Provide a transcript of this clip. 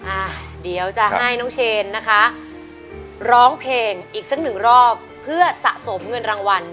อ่าเดี๋ยวจะให้น้องเชนนะคะร้องเพลงอีกสักหนึ่งรอบเพื่อสะสมเงินรางวัล